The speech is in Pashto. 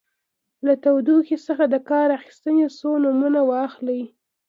له تودوخې څخه د کار اخیستنې څو نومونه واخلئ.